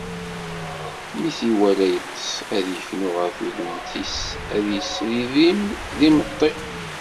Mi t-iwala yeṭṭes, ad yeknu ɣer tudemt-is ad yesriddim d imeṭṭi.